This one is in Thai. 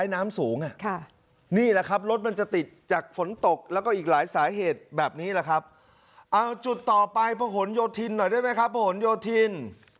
โยธินหน่อยได้ไหมครับโยธิน